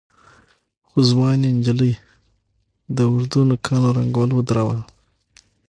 خو ځوانې نجلۍ د اوږدو نوکانو رنګول ودرول.